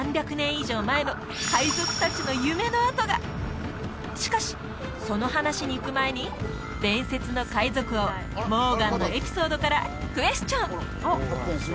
以上前の海賊達の夢の跡がしかしその話にいく前に伝説の海賊王モーガンのエピソードからクエスチョン！